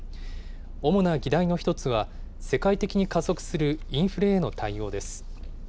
主な議題の一つは世界的に加速するインフレへの対応です。